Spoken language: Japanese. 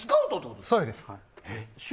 そうです。